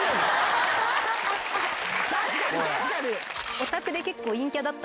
確かに確かに！